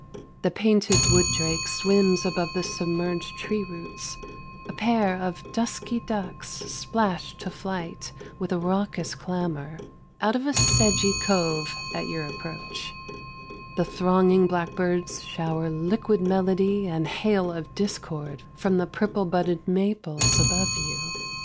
The painted wood drake swims above the submerged tree roots; a pair of dusky ducks splash to flight, with a raucous clamor, out of a sedgy cove at your approach; the thronging blackbirds shower liquid melody and hail of discord from the purple budded maples above you.